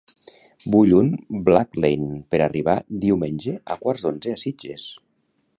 Vull un Blacklane per arribar diumenge a quarts d'onze a Sitges.